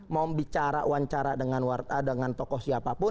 mau bicara wawancara dengan tokoh siapapun